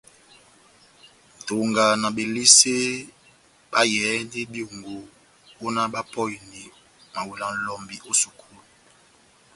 Nʼtonga na Belisé bayɛhɛndini byongo ó náh bapɔheni mawela lɔmbi ó sukulu.